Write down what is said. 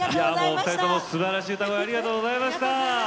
お二人ともすばらしい歌声ありがとうございました。